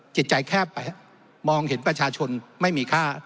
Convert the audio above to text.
จิตใจแคบไปมองเห็นประชาชนไม่มีค่า